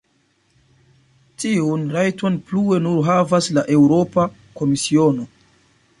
Tiun rajton plue nur havas la Eŭropa Komisiono.